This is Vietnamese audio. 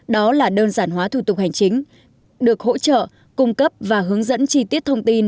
đó là đơn giản hóa thủ tục hành chính được hỗ trợ cung cấp và hướng dẫn chi tiết thông tin